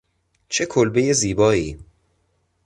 چه کلبهی زیبایی!